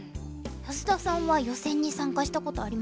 安田さんは予選に参加したことありますか？